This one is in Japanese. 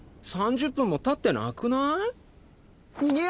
３０分もたってなくない？